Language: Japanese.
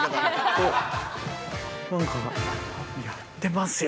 ◆何か、やってますよ。